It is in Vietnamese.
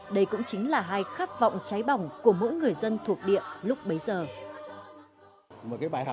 đây cũng chính là hai khát vọng cháy bỏng của mỗi người dân thuộc địa lúc bấy giờ